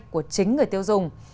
của chính người tiêu dùng